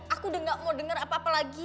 aku udah gak mau dengar apa apa lagi